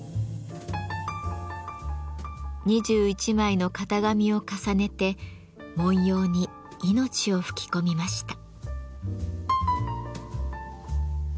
２１枚の型紙を重ねて文様に命を吹き込みました。